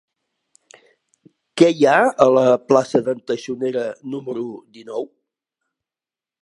Què hi ha a la plaça d'en Taxonera número dinou?